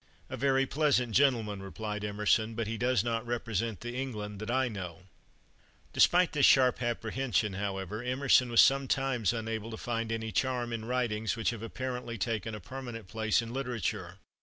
"A very pleasant gentleman," replied Emerson; "but he does not represent the England that I know." Despite this sharp apprehension, however, Emerson was sometimes unable to find any charm in writings which have apparently taken a permanent place in literature.